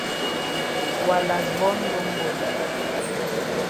Wa kas born don born.